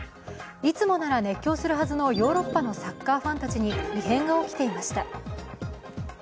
いつもなら熱狂するはずのヨーロッパのサッカーファンたちに異変が起きていました。